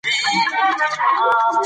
ساده خبرې کله ګټورې وي.